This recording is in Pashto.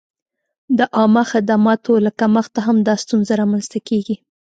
د عامه خدماتو له کمښته هم دا ستونزه را منځته کېږي.